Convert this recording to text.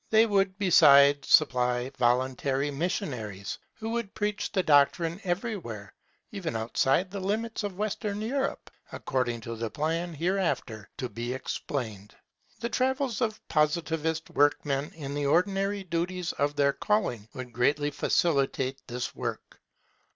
They would besides supply voluntary missionaries, who would preach the doctrine everywhere, even outside the limits of Western Europe, according to the plan hereafter to be explained. The travels of Positivist workmen in the ordinary duties of their calling, would greatly facilitate this work.